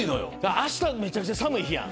明日めちゃくちゃ寒い日やん。